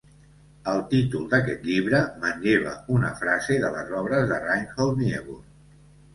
El títol d'aquest llibre manlleva una frase de les obres de Reinhold Niebuhr.